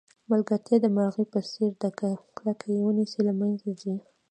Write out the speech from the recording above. ملګرتیا د مرغۍ په څېر ده که کلکه یې ونیسئ له منځه ځي.